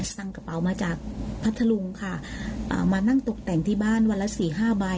สั่งกระเป๋ามาจากพัทธลุงค่ะอ่ามานั่งตกแต่งที่บ้านวันละสี่ห้าใบ